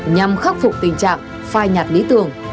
nhằm khắc phục tình trạng phai nhạt lý tưởng